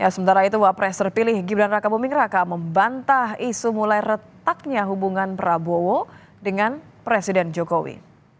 sementara itu wapres terpilih gibran raka buming raka membantah isu mulai retaknya hubungan prabowo dengan presiden jokowi